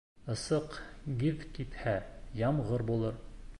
Ысыҡ гиҙ китһә, ямғыр булыр.